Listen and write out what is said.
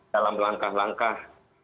dalam langkah langkah panen mimpi